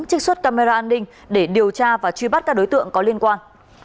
trích xuất camera an ninh để điều tra và truy bắt các đối tượng có liên quan